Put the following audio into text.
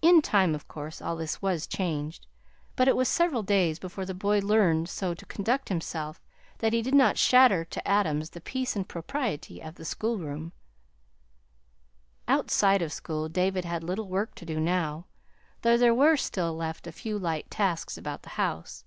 In time, of course, all this was changed; but it was several days before the boy learned so to conduct himself that he did not shatter to atoms the peace and propriety of the schoolroom. Outside of school David had little work to do now, though there were still left a few light tasks about the house.